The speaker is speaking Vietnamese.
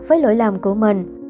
với lỗi lòng của mình